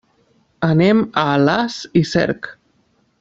Anem a Alàs i Cerc.